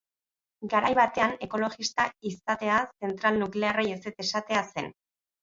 Garai batean ekologista izatea zentral nuklearrei ezetz esatea zen.